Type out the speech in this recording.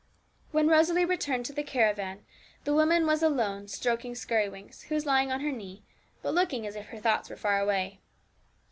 When Rosalie returned to the caravan, the woman was alone, stroking Skirrywinks, who was lying on her knee, but looking as if her thoughts were far away.